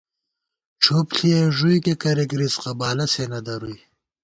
ڄُھپ ݪِیَئی ݫُوئیکےکریَک رِزِقہ ، بالہ سے نہ درُوئی